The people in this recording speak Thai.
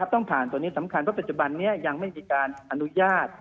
ต้องผ่านตัวนี้สำคัญเพราะปัจจุบันนี้ยังไม่มีการอนุญาต